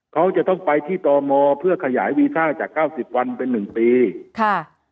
เขาจะต้องไปที่ตมเพื่อขยายวีซ่าจากเก้าสิบวันเป็นหนึ่งปีค่ะ